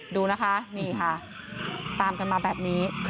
ดูนะคะนี่ค่ะตามกันมาแบบนี้